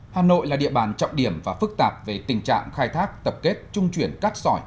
hà nội là địa bàn trọng điểm và phức tạp về tình trạng khai thác tập kết trung chuyển cát sỏi